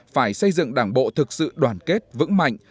phải xây dựng đảng bộ thực sự đoàn kết vững mạnh